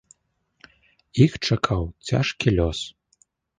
Іх чакаў цяжкі лёс.